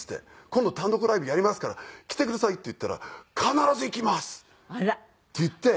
「今度単独ライブやりますから来てください」って言ったら「必ず行きます」って言って。